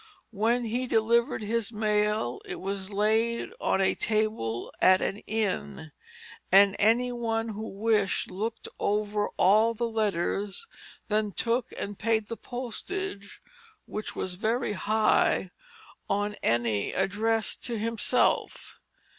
When he delivered his mail it was laid on a table at an inn, and any one who wished looked over all the letters, then took and paid the postage (which was very high) on any addressed to himself.